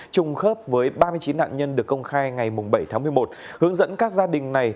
trùng khớp với ba mươi chín nạn nhân được công khai ngày bảy tháng một mươi một hướng dẫn các gia đình này